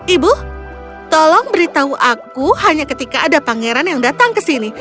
ibu tolong beritahu aku hanya ketika ada pangeran yang datang ke sini